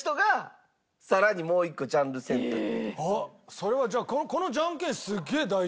それはじゃあこのジャンケンすげえ大事。